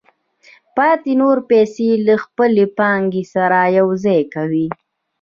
پاتې نورې پیسې له خپلې پانګې سره یوځای کوي